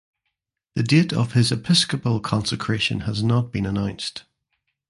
The date of his episcopal consecration has not been announced.